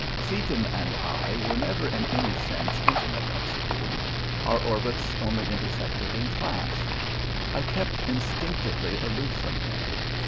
Seaton and I were never in any sense intimate at school, our orbits only intersected in class. I kept instinctively aloof from him.